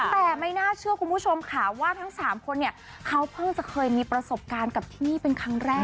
แต่ไม่น่าเชื่อคุณผู้ชมค่ะว่าทั้ง๓คนเนี่ยเขาเพิ่งจะเคยมีประสบการณ์กับที่นี่เป็นครั้งแรก